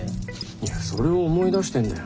いやそれを思い出してんだよ。